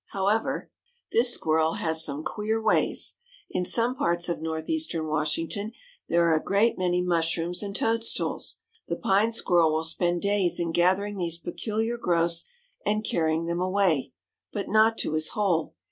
However, this Squirrel has some queer ways. In some parts of northeastern Washington there are a great many mushrooms and toadstools. The Pine Squirrel will spend days in gathering these peculiar growths and carrying them away, but not to his hole.